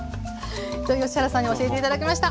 土井善晴さんに教えて頂きました。